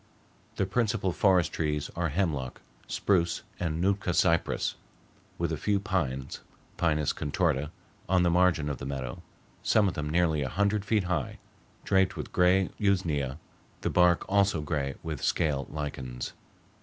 The principal forest trees are hemlock, spruce, and Nootka cypress, with a few pines (P. contorta) on the margin of the meadow, some of them nearly a hundred feet high, draped with gray usnea, the bark also gray with scale lichens.